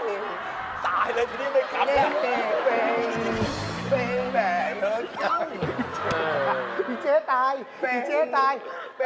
อิจเจฟ้าตาย